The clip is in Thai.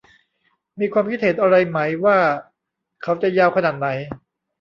มีความคิดเห็นอะไรไหมว่าเขาจะยาวขนาดไหน